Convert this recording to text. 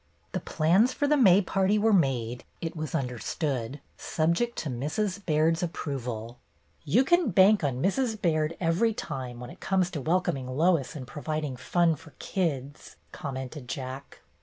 The plans for the May Party were made, it was understood, subject to Mrs. Baird's approval. "You can bank on Mrs. Baird every time, when it comes to welcoming Lois and provid ing fun for kids," commented Jack.